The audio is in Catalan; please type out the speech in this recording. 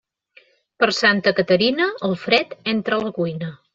Per Santa Caterina, el fred entra a la cuina.